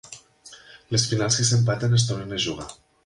Les finals que s'empaten es tornen a jugar.